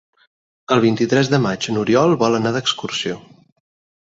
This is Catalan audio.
El vint-i-tres de maig n'Oriol vol anar d'excursió.